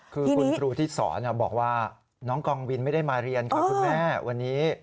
คือคุณครูที่สอนบอกว่าน้องกองวินไม่ได้มาเรียนค่ะคุณแม่วันนี้